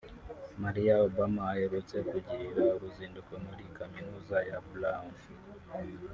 Malia Obama aherutse kugirira uruzinduko muri Kaminuza ya Brown